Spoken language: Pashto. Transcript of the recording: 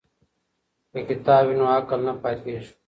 که کتاب وي نو عقل نه پاتیږي.